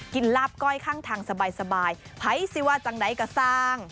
ลาบก้อยข้างทางสบายภัยสิว่าจังใดก็สร้าง